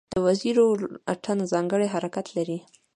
د وزیرو اتن ځانګړی حرکت لري.